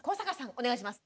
お願いします。